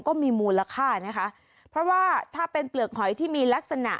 ก็มีมูลค่านะคะเพราะว่าถ้าเป็นเปลือกหอยที่มีลักษณะ